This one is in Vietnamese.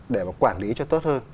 để mà quản lý cho tốt hơn